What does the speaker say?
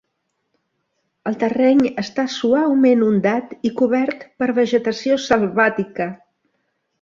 El terreny està suaument ondat i cobert per vegetació selvàtica.